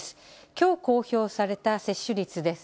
きょう公表された接種率です。